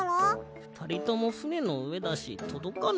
ふたりともふねのうえだしとどかないよ。